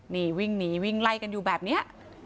นี่วิ่งหนีวิ่งไล่กันอยู่แบบนี้